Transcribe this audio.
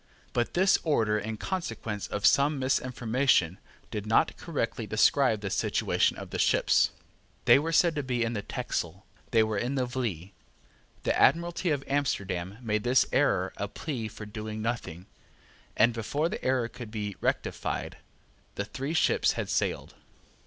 But this order, in consequence of some misinformation, did not correctly describe the situation of the ships. They were said to be in the Texel. They were in the Vlie. The Admiralty of Amsterdam made this error a plea for doing nothing; and, before the error could be rectified, the three ships had sailed.